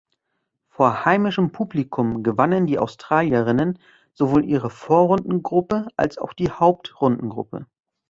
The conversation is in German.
Vor heimischem Publikum gewannen die Australierinnen sowohl ihre Vorrundengruppe als auch die Hauptrundengruppe.